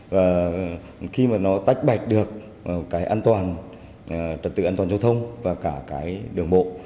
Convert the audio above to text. và khi mà nó tách bạch được cái an toàn trật tự an toàn giao thông và cả cái đường bộ